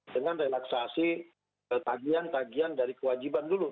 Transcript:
dengan relaksasi tagihan tagian dari kewajiban dulu